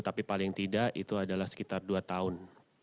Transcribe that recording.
tapi paling tidak itu adalah sekitar dua tahun